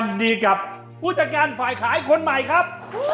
พวกมึงพูดแดดการฝ่ายขายคนใจครับ